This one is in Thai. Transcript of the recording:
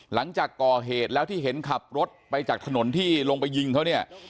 หลังจากก่อเหตุแล้วที่เห็นขับรถไปจากถนนที่ลงไปยิงเขาเนี่ย